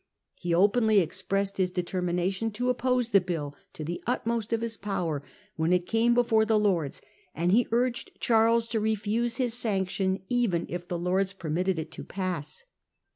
He openly expressed his determination to oppose the bill to the utmost of his power when it came before the Lords, and he urged Charles to refuse his sanction even if the Lords permitted it to pass.